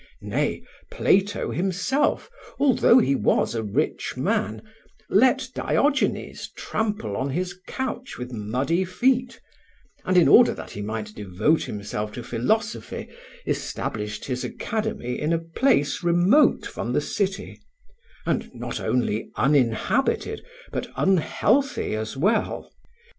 Nay, Plato himself, although he was a rich man, let Diogenes trample on his couch with muddy feet, and in order that he might devote himself to philosophy established his academy in a place remote from the city, and not only uninhabited but unhealthy as well.